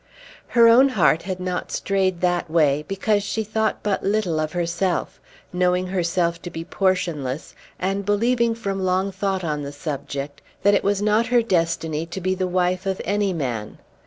Her own heart had not strayed that way because she thought but little of herself, knowing herself to be portionless, and believing from long thought on the subject that it was not her destiny to be the wife of any man.